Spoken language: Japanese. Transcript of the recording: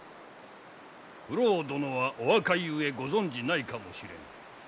九郎殿はお若いゆえご存じないかもしれぬ。